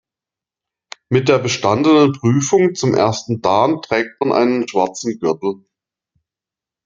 Mit der bestandenen Prüfung zum ersten Dan trägt man einen schwarzen Gürtel.